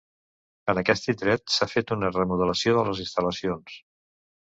En aquest indret s'ha fet una remodelació de les instal·lacions.